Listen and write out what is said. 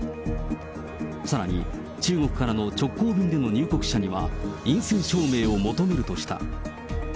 さらに中国からの直行便での入国者には、陰性証明を求めるとした。